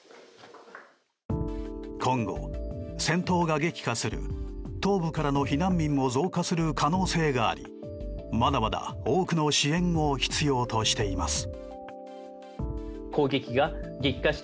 今後、戦闘が激化する東部からの避難民も増加する可能性がありまだまだ多くの支援を必要としています。